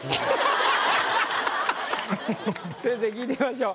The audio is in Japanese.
先生に聞いてみましょう。